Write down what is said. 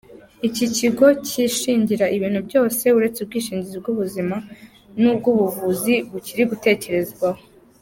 Iki kigo cyishingira ibintu byose, uretse ubwishingizi bw’ubuzima n’ubw’ubuvuzi, bikiri gutekerezwaho.